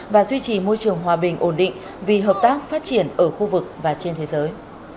và duy trì môi trường hòa bình ổn định vì hợp tác phát triển ở khu vực và trên thế giới